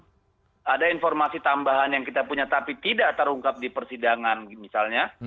tapi ada informasi tambahan yang kita punya tapi tidak terungkap di persidangan misalnya